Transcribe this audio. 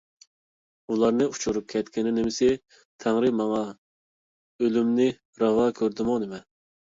ئۇلارنى ئۇچۇرۇپ كەتكىنى نېمىسى؟ تەڭرى ماڭا ئۆلۈمنى راۋا كۆردىمۇ نېمە؟